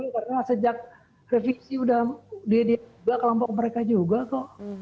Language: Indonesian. karena sejak revisi sudah dia dia juga kelompok mereka juga kok